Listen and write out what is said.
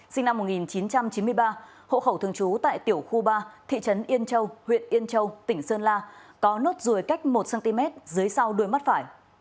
sinh năm một nghìn chín trăm chín mươi ba hộ khẩu thường trú tại tiểu khu ba thị trấn yên châu huyện yên châu tỉnh sơn la có nốt ruồi cách một cm dưới sau đuôi mắt phải